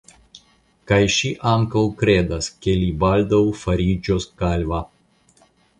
Kaj ŝi ankaŭ kredas, ke li baldaŭ fariĝos kalva.